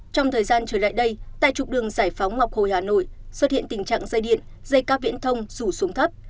trong thời gian trở lại đây tại trục đường giải phóng ngọc hồi hà nội xuất hiện tình trạng dây điện dây cá viễn thông dù xuống thấp